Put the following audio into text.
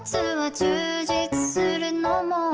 เพราะว่าโลกมีแค่เราสองคน